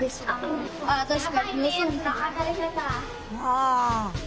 ああ！